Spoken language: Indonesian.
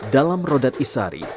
dalam rodat isari